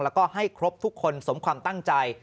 แล้วก็ให้ครบทุกคนสมความตั้งใจ